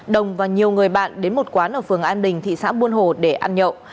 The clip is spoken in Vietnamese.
đồng và nhiều người bạn đến một quán ở phường an đình thị xã buôn hồ để ăn nhậu